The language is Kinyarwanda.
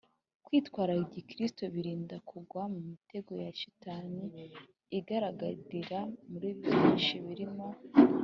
kwitwara gikristu, birinda kugwa mu mitego ya shitani igaragarira muri byinshi birimo